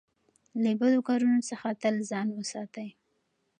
له بدو کارونو څخه تل ځان وساتئ.